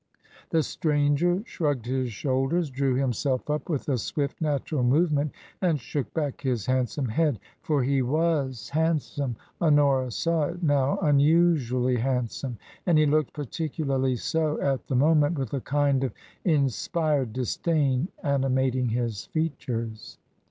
The stranger shrugged his shoulders, drew himself up with a swift, natural movement, and shook back his handsome head. For he was handsome — Honora saw it now — unusually handsome, and he looked particularly so at the moment with a kind of inspired disdain ani mating his features.